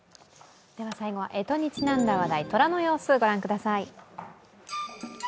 最後は、えとにちなんだ話題、とらの様子を御覧ください。